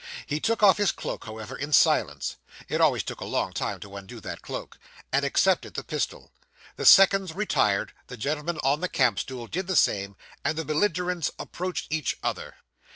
He took off his cloak, however, in silence it always took a long time to undo that cloak and accepted the pistol. The seconds retired, the gentleman on the camp stool did the same, and the belligerents approached each other.